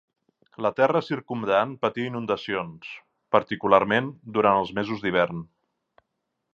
La terra circumdant patia inundacions, particularment durant els mesos d'hivern.